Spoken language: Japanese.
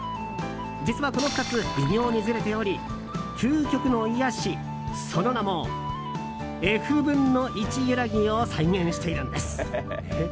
実は、この２つ微妙にずれており究極の癒やし、その名も１／ｆゆらぎを再現しているんです。